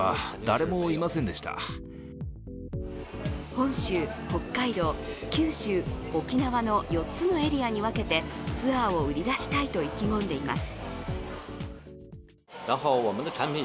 本州、北海道、九州、沖縄の４つのエリアに分けてツアーを売り出したいと意気込んでいます。